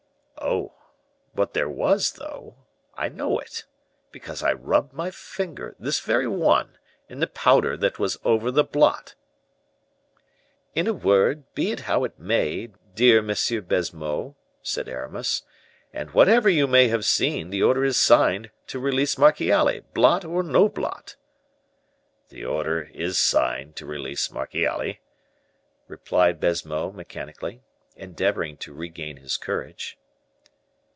"Oh! but there was, though; I know it, because I rubbed my finger this very one in the powder that was over the blot." "In a word, be it how it may, dear M. Baisemeaux," said Aramis, "and whatever you may have seen, the order is signed to release Marchiali, blot or no blot." "The order is signed to release Marchiali," replied Baisemeaux, mechanically, endeavoring to regain his courage.